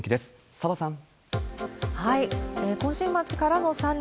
澤さん。